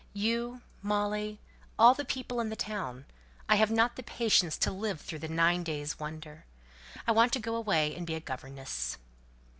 You, Molly, all the people in the town, I haven't the patience to live through the nine days' wonder. I want to go away and be a governess."